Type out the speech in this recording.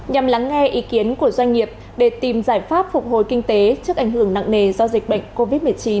nhằm lắng nghe ý kiến của doanh nghiệp để tìm giải pháp phục hồi kinh tế trước ảnh hưởng nặng nề do dịch bệnh covid một mươi chín